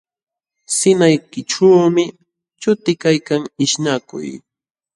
Sinqaykićhuumi chuti kaykan ishnakuy